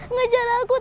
ngejar aku tante